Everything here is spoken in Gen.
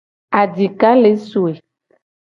Adika le soe.